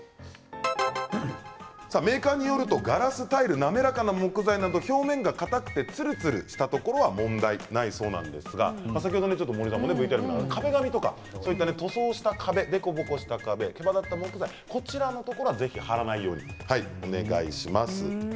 メーカーによるとガラス、タイル滑らかな木材など表面がかたくてつるつるしたところは問題ないそうですが先ほど森さんのＶＴＲで言っていましたが壁紙や塗装した壁凸凹した壁、けばだった木材などには貼らないようにお願いします。